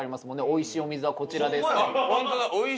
「おいしいお水はこちらです」って。